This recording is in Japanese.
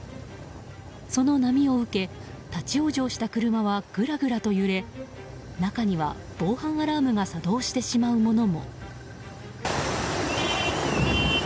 その波を受け、立ち往生した車はぐらぐらと揺れ中には防犯アラームが作動してしまうものも。